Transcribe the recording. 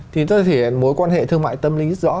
thì nó thể hiện mối quan hệ thương mại tâm linh rất rõ